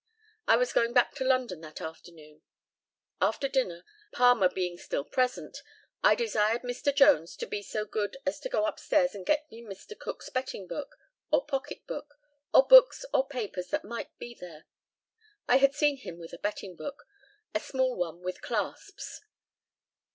I was going back to London that afternoon. After dinner, Palmer being still present, I desired Mr. Jones to be so good as to go upstairs and get me Mr. Cook's betting book, or pocket book, or books or papers that might be there. I had seen him with a betting book a small one with clasps.